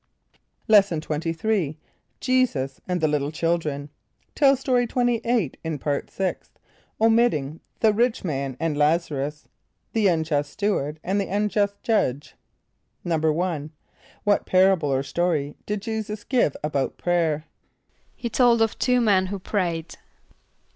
= Lesson XXIII. Jesus and the Little Children. (Tell Story 28 in Part Sixth, omitting "The Rich Man and Lazarus," "The Unjust Steward and the Unjust Judge.") =1.= What parable or story did J[=e]´[s+]us give about prayer? =He told of two men who prayed.